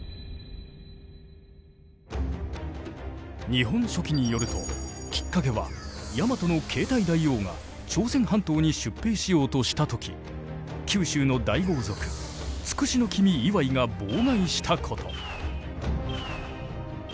「日本書紀」によるときっかけはヤマトの継体大王が朝鮮半島に出兵しようとした時九州の大豪族筑紫君磐井が妨害したこと。